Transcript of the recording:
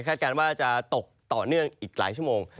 การว่าจะตกต่อเนื่องอีกหลายชั่วโมง